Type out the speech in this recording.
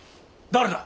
誰だ？